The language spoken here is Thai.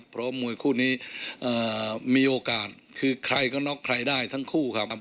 เพราะว่ามวยคู่นี้มีโอกาสคือใครก็น็อกใครได้ทั้งคู่ครับ